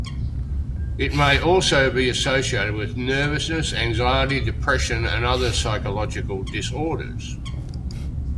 It may also be associated with nervousness, anxiety, depression, and other psychological disorders.